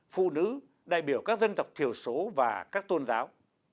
phụ nữ đại biểu các dân tộc thiểu số và các tôn giáo